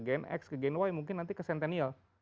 gen x ke gen y mungkin nanti ke sentenial